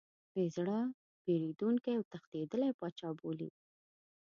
بې زړه، بېرندوکی او تښتېدلی پاچا بولي.